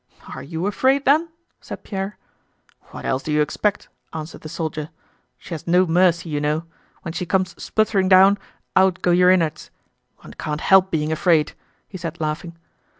"Are you afraid, then?" said Pierre. "What else do you expect?" answered the soldier. "She has no mercy, you know! When she comes spluttering down, out go your innards. One can't help being afraid," he said laughing.